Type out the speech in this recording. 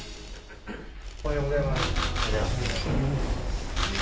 おはようございます。